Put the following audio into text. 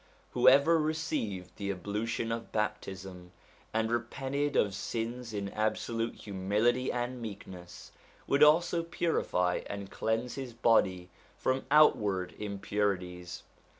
Whoever received the ablution of baptism, and repented of sins in absolute humility and meekness, would also purify and cleanse his body from outward impurities.